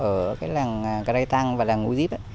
ở cái làng cà rai tăng và làng úi díp